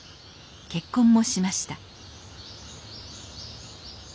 結婚もしました